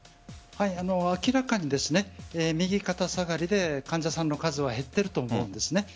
明らかに右肩下がりで患者さんの数は減っていると思うんです。